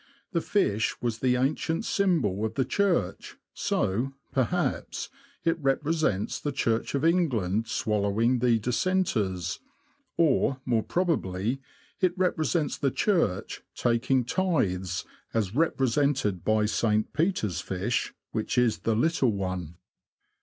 The fish was the ancient symbol of the Church, so, perhaps, it represents the Church of England swallowing the Dissenters ; or, more probably, it represents the Church taking A RAMBLE THROUGH NORWICH. 83 tithes, as represented by St. Peter's fish, which is the little one.